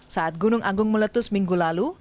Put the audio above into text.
saat gunung agung meletus minggu lalu